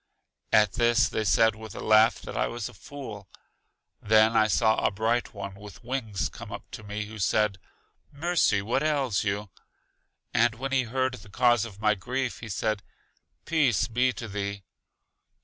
At this they said with a laugh that I was a fool. Then I saw a Bright One with wings come up to me, who said, Mercy, what ails you? And when he heard the cause Of my grief, he said, Peace be to thee.